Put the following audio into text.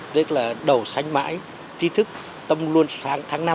tức là đầu xanh mãi trí thức tông luôn sang tháng năm